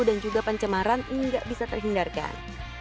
dan juga pencemaran ini nggak bisa terhindarkan